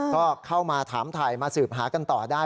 ก็เข้ามาถามถ่ายมาสืบหากันต่อได้